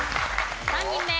３人目昴